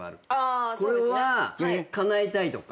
これはかなえたいとか。